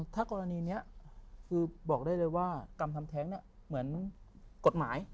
ถ้ากรณีนี้คือบอกได้เลยว่ากรรมทำแท้งเนี่ยเหมือนกฎหมาย